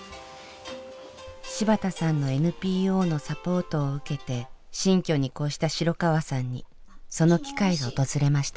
芝田さんのＮＰＯのサポートを受けて新居に越した城川さんにその機会が訪れました。